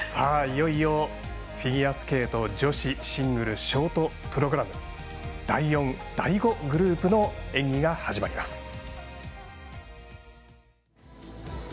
いよいよフィギュアスケート女子シングルショートプログラム第４グループ第５グループの演技が始まります。